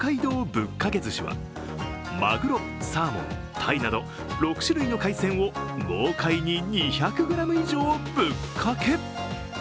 ぶっかけ寿司はマグロ、サーモン、タイなど、６種類の海鮮を豪快に２００ｇ以上ぶっかけ。